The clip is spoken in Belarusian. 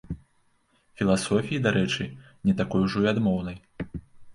Філасофіі, дарэчы, не такой ужо і адмоўнай.